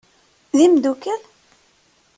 D imdukal?